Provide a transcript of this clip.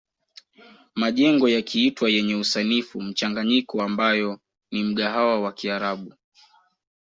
Majengo yakiitwa yenye usanifu mchanganyiko ambayo ni mgahawa wa kiarabu